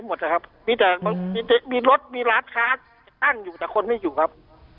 มีเด็กมีรถมีร้านค้าตั้งอยู่แต่คนไม่อยู่ครับ